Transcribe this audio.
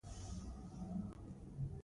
• د زوی نېکبختي د پلار هیله وي.